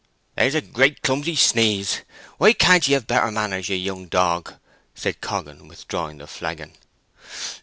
"There's a great clumsy sneeze! Why can't ye have better manners, you young dog!" said Coggan, withdrawing the flagon.